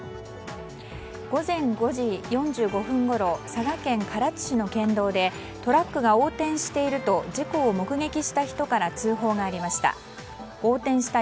午前５時４５分ごろ佐賀県唐津市の県道でトラックが横転していると事故を目撃した人から通報がありました。